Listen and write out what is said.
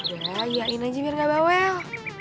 udah jauhin aja biar ga bawa ya